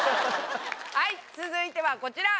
はい続いてはこちら！